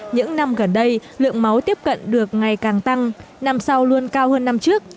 những năm gần đây lượng máu tiếp cận được ngày càng tăng năm sau luôn cao hơn năm trước